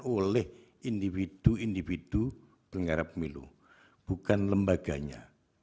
oleh individu individu penggarap pemilu bukan lembaganya